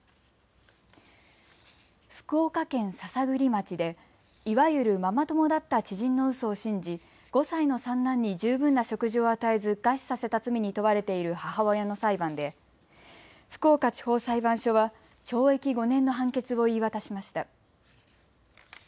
福岡県篠栗町でいわゆるママ友だった知人のうそを信じ５歳の三男に十分な食事を与えず餓死させた罪に問われている母親の裁判で福岡地方裁判所はは懲役５年の判決を言い渡しました。